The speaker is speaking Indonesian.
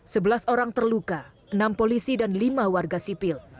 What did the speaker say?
sebelas orang terluka enam polisi dan lima warga sipil